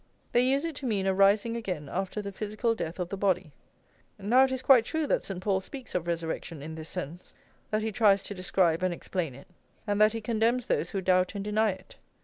They use it to mean a rising again after the physical death of the body. Now it is quite true that St. Paul speaks of resurrection in this sense, that he tries to describe and explain it, and that he condemns those who doubt and deny it.